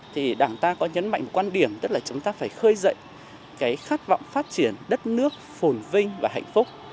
thì đảng ta có nhấn mạnh một quan điểm tức là chúng ta phải khơi dậy cái khát vọng phát triển đất nước phồn vinh và hạnh phúc